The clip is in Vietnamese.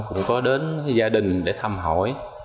cũng có đến gia đình để thăm hỏi